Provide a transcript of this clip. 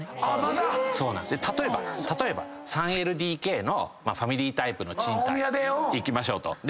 例えば３ＬＤＫのファミリータイプの賃貸いきましょうと。